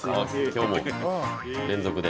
今日も連続で。